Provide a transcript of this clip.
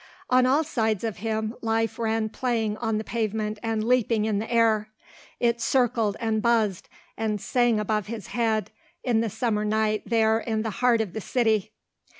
On all sides of him life ran playing on the pavement and leaping in the air. It circled and buzzed and sang above his head in the summer night there in the heart of the city.